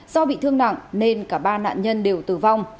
do bị thương nặng nên cả ba nạn nhân đều tử vong